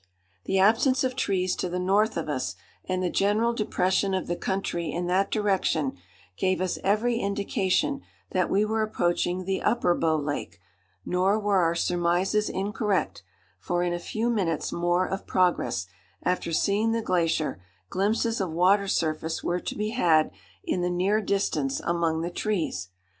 The absence of trees to the north of us, and the general depression of the country in that direction, gave us every indication that we were approaching the Upper Bow Lake, nor were our surmises incorrect, for in a few minutes more of progress, after seeing the glacier, glimpses of water surface were to be had in the near distance among the trees.